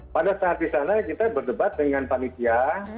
pada saat di sana kita berdebat dengan panitia